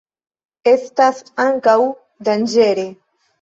Estas ankaŭ danĝere.